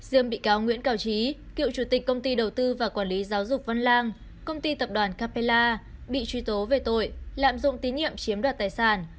riêng bị cáo nguyễn cao trí cựu chủ tịch công ty đầu tư và quản lý giáo dục văn lang công ty tập đoàn capella bị truy tố về tội lạm dụng tín nhiệm chiếm đoạt tài sản